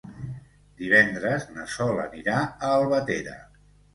Divendres na Sol anirà a Albatera.